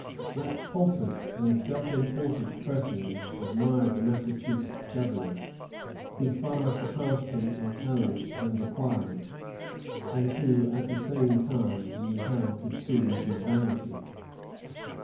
That pompous and self important personage admired the Massachusetts Governor, who far surpassed him in talents and acquirements, and who at the same time knew how to soothe his vanity.